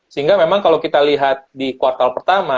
sehingga memang kalau kita lihat di kuartal pertama